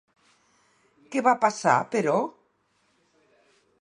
Què va passar, però?